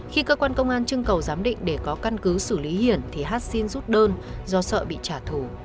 khi cơ quan công an chưng cầu giám định để có căn cứ xử lý hiển thì hát xin rút đơn do sợ bị trả thù